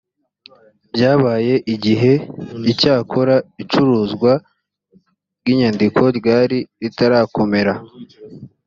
byabaye igihe icyakora icuruzwa ry inyandiko ryari ritarakomera